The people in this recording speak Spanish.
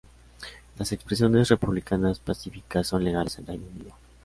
Las expresiones republicanas pacíficas son legales en Reino Unido.